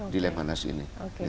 di lemhanas ini